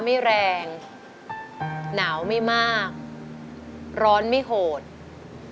ทั้งในเรื่องของการทำงานเคยทำนานแล้วเกิดปัญหาน้อย